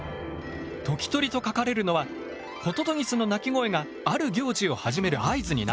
時鳥と書かれるのはホトトギスの鳴き声がある行事を始める合図になったから。